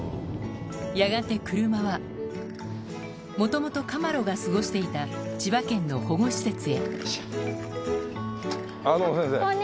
やがて車はもともとカマロが過ごしていた千葉県の保護施設へどうもすいません。